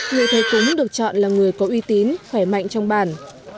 người thầy cúng được chọn là người có uy tín khỏe mạnh trong bàn